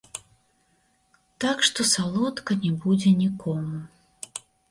Так што салодка не будзе нікому.